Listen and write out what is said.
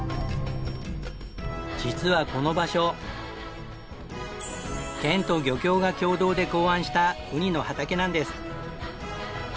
実はこの場所県と漁協が共同で考案したウニの畑なんです。